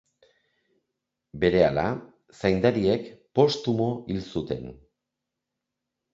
Berehala, zaindariek Postumo hil zuten.